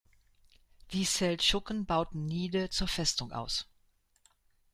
Die Seldschuken bauten Niğde zur Festung aus.